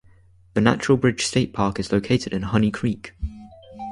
The Natural Bridge State Park is located in Honey Creek.